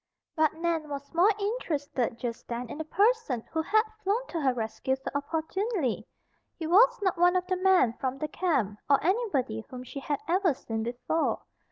But Nan was more interested just then in the person who had flown to her rescue so opportunely. He was not one of the men from the camp, or anybody whom she had ever seen before.